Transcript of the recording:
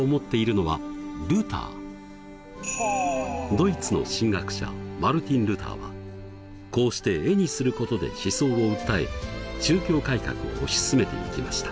ドイツの神学者マルティン・ルターはこうして絵にすることで思想を訴え宗教改革を推し進めていきました。